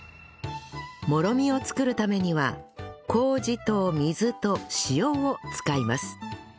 もろみを作るためには麹と水と塩を使います